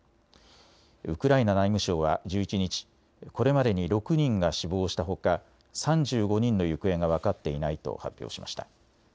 ウクライナ内務省は１１日、これまでに６人が死亡したほか３５人の行方が分かっていないと発表しました。